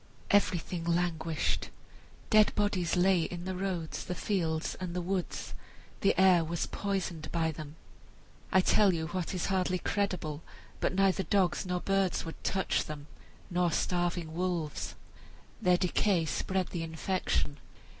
Everything languished; dead bodies lay in the roads, the fields, and the woods; the air was poisoned by them, I tell you what is hardly credible, but neither dogs nor birds would touch them, nor starving wolves. Their decay spread the infection.